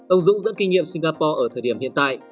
ông dũng dẫn kinh nghiệm singapore ở thời điểm hiện tại